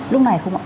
lúc này không ạ